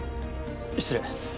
失礼。